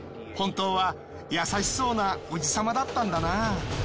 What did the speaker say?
本当は優しそうなおじ様だったんだな。